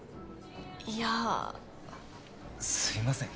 いやすいません